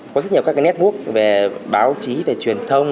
có rất nhiều các network về báo chí về truyền thông